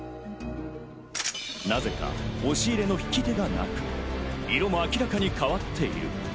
なぜか押し入れの引き手がなく色も明らかに変わっている。